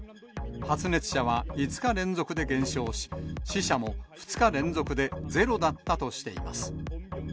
発熱者は５日連続で減少し、死者も２日連続でゼロだったとしています。